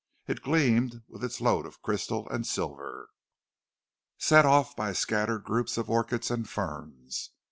It gleamed with its load of crystal and silver, set off by scattered groups of orchids and ferns.